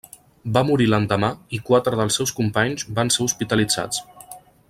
Va morir l'endemà i quatre dels seus companys van ser hospitalitzats.